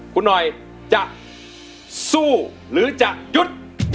คุณหน่อยจะสู้หรือจะหยุด